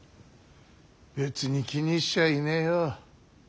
別に気にしちゃいねえよ。